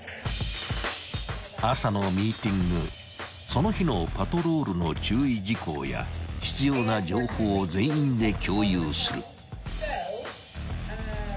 ［その日のパトロールの注意事項や必要な情報を全員で共有する］